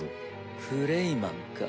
クレイマンか。